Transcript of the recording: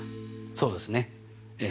そうですねええ。